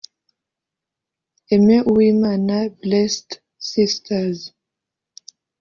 Aime Uwimana Blessed Sisters